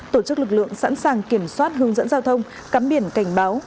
tổ chức lực lượng sẵn sàng kiểm soát hướng dẫn giao thông cắm biển cảnh báo